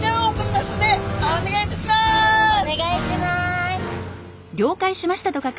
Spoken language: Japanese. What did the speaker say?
お願いします。